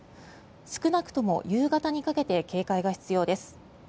少なくとも夕方にかけて警戒が必要です。